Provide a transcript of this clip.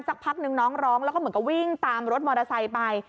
สักพักนึงน้องร้องแล้วก็เหมือนกับวิ่งตามรถมอเตอร์ไซค์ไป